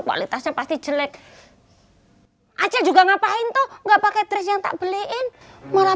kualitasnya pasti jelek aja juga ngapain tuh enggak pakai trust yang tak beliin malah